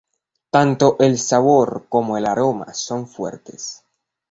Tanto el sabor como el aroma son fuertes.